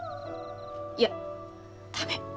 いや駄目。